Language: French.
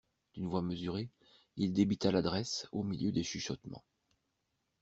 D'une voix mesurée, il débita l'adresse, au milieu des chuchotements.